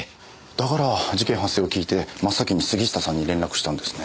だから事件発生を聞いて真っ先に杉下さんに連絡したんですね。